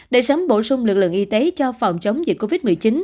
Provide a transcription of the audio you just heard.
để sớm bổ sung lực lượng y tế cho phòng chống dịch covid một mươi chín